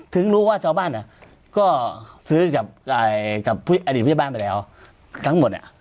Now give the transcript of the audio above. ถึงรู้ว่าเจ้าบ้านอ่ะก็ซื้อจากกับอดีตพยาบาลไปแล้วทั้งหมดอ่ะ